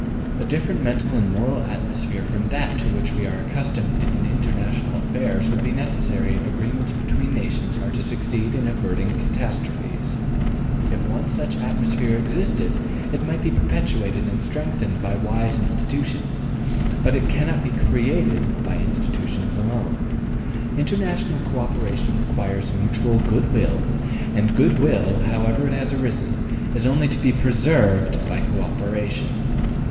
A different mental and moral atmosphere from that to which we are accustomed in international affairs will be necessary if agreements between nations are to succeed in averting catastrophes. If once such an atmosphere existed it might be perpetuated and strengthened by wise institutions; but it cannot be CREATED by institutions alone. International co operation requires mutual good will, and good will, however it has arisen, is only to be PRESERVED by co operation.